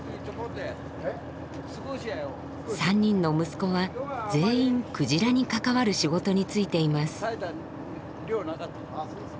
３人の息子は全員鯨に関わる仕事に就いています。